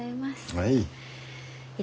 はい。